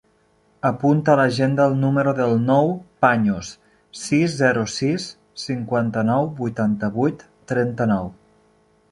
Apunta a l'agenda el número del Nouh Paños: sis, zero, sis, cinquanta-nou, vuitanta-vuit, trenta-nou.